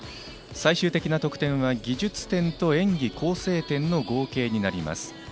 最終的な得点は技術点と演技構成点の合計になります。